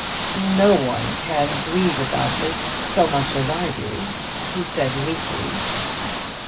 "No one can grieve about this so much as I do," he said weakly.